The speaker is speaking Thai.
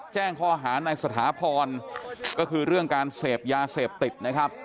แจ้งข้อหาในสถาพรก็คือเรื่องการเสพยาเสพติดนะครับ